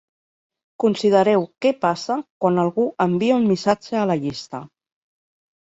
Considereu què passa quan algú envia un missatge a la llista.